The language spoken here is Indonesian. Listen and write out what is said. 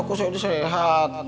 aku sudah sehat